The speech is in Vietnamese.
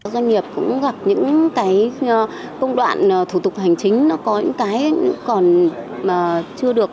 doanh nghiệp cũng gặp những cái công đoạn thủ tục hành chính nó có những cái còn mà chưa được